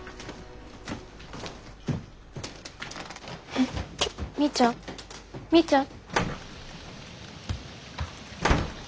えっみーちゃんみーちゃん。